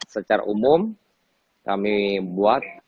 secara umum kami buat